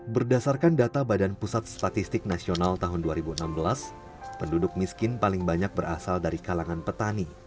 berdasarkan data badan pusat statistik nasional tahun dua ribu enam belas penduduk miskin paling banyak berasal dari kalangan petani